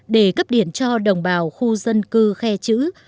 để cấp điện cho đồng bào khu dân cư khe chữ